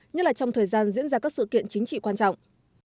như là trong thời gian diễn ra các sự kiện chính trị quan trọng